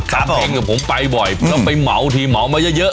ทำเองผมไปบ่อยแล้วไปเหมาทีเหมามาเยอะ